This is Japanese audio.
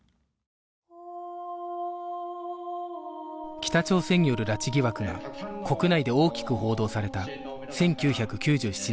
北朝鮮による拉致疑惑が国内で大きく報道された１９９７年